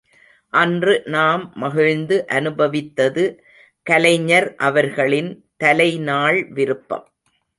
அன்று நாம் மகிழ்ந்து அனுபவித்தது கலைஞர் அவர்களின் தலைநாள் விருப்பம்.